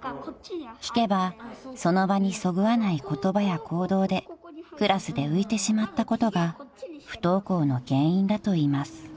［聞けばその場にそぐわない言葉や行動でクラスで浮いてしまったことが不登校の原因だといいます］